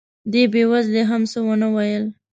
دې بې وزلې هم څه ونه ویل.